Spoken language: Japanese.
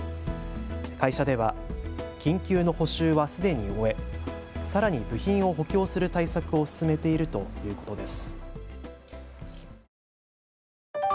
会社では緊急の補修はすでに終えさらに部品を補強する対策を進めているということです。